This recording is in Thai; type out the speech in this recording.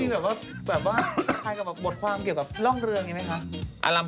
แบบว่าแบบว่าทายกับบทความเกี่ยวกับร่องเรืออย่างนี้ไหมคะ